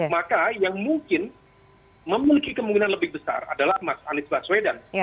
maka yang mungkin memiliki kemungkinan lebih besar adalah mas anies baswedan